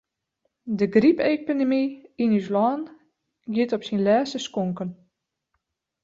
De grypepidemy yn ús lân giet op syn lêste skonken.